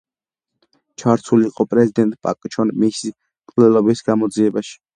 ჩართული იყო პრეზიდენტ პაკ ჩონ ჰის მკვლელობის გამოძიებაში.